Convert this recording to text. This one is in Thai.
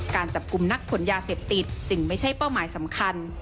การจับกลุ่มนักขนยาเสพติดจึงไม่ใช่เป้าหมายสำคัญ